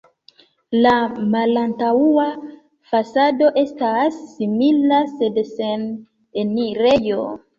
La malantaŭa fasado estas simila, sed sen enirejo.